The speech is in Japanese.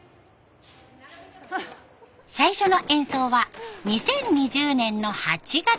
最初の演奏は２０２０年の８月。